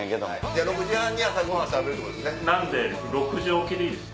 ６時半に朝ごはん食べるってことですね。